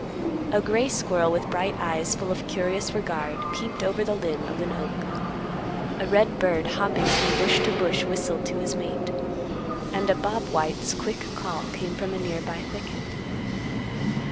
A gray squirrel with bright eyes full of curious regard peeped over the limb of an oak; a red bird hopping from bush to bush whistled to his mate; and a bob white's quick call came from a nearby thicket.